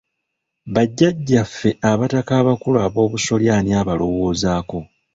Bajjajjaffe Abataka abakulu Aboobusolya ani abalowoozaako?